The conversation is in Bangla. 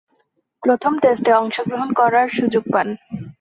প্রথম টেস্টে অংশগ্রহণ করার সুযোগ পান।